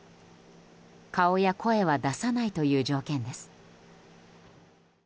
顔や声は出さないという条件です。